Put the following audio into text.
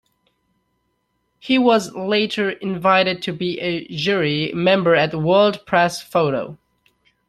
He was later invited to be a jury member at World Press Photo.